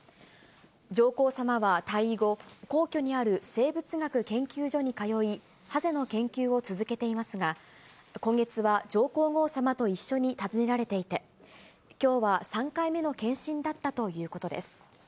上皇さまは退位後、皇居にある生物学研究所に通い、ハゼの研究を続けていますが、今月は上皇后さまと一緒に訪ねられていて、きょうは３回目の健診だったということです。